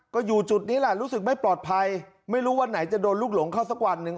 ก็อยู่จุดนี้แหละรู้สึกไม่ปลอดภัยไม่รู้วันไหนจะโดนลูกหลงเข้าสักวันหนึ่ง